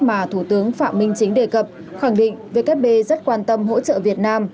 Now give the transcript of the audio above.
mà thủ tướng phạm minh chính đề cập khẳng định wb rất quan tâm hỗ trợ việt nam